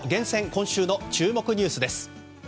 今週の注目ニュースです。